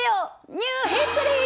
ニューヒストリー！